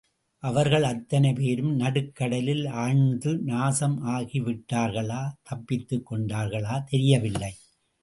அவர்கள் அத்தனை பேரும் நடுக்கடலில் ஆழ்ந்து நாசம் ஆகிவிட்டார்களா தப்பித்துக் கொண்டார்களா தெரியவில்லை.